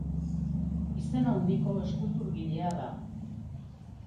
Izen handiko eskulturgilea da.